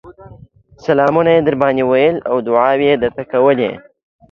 سلامونه يې درباندې ويل او دعاوې يې درته کولې